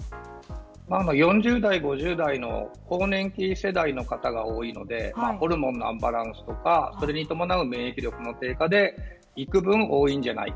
４０代、５０代の更年期世代の方が多いのでホルモンのアンバランスとかそれに伴う免疫力の低下で幾分多いんじゃないか。